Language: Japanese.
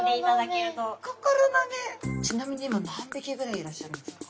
ちなみに今何匹ぐらいいらっしゃるんですか？